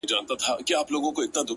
دغه جلال او دا جمال د زلفو مه راوله;